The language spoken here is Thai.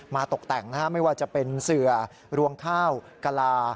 ตกแต่งไม่ว่าจะเป็นเสือรวงข้าวกะลา